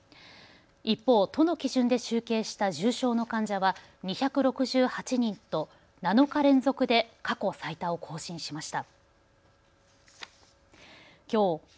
一方、都の基準で集計した重症の患者は２６８人と７日連続で過去最多を更新しました。